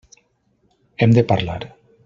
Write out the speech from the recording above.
Hem de parlar.